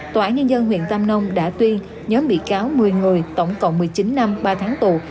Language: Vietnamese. tòa án nhân dân huyện tam nông đã tuyên nhóm bị cáo một mươi người tổng cộng một mươi chín năm ba tháng tù